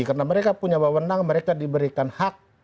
karena mereka punya wawonan mereka diberikan hak